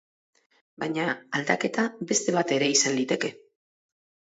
Baina aldaketa beste bat ere izan liteke.